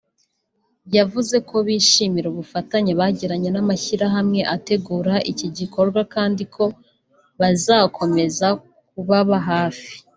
yavuze ko bishimira ubufatanye bagirana n’amashyirahamwe ategura iki gikorwa kandi ko bazakomeza kubaba hafi